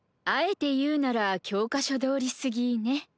あえて言うなら教科書どおりすぎね。